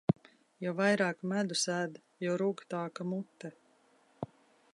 Jo vairāk medus ēd, jo rūgtāka mute.